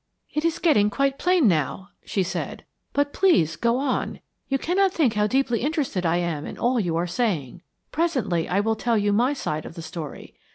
"It is getting quite plain now," she said. "But please go on. You cannot think how deeply interested I am in all you are saying. Presently I will tell you my side of the story.